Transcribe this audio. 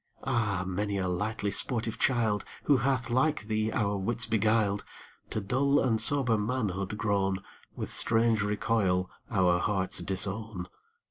Ah! many a lightly sportive child, Who hath like thee our wits beguiled, To dull and sober manhood grown, With strange recoil our hearts disown.